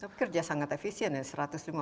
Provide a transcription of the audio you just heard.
tapi kerja sangat efisien ya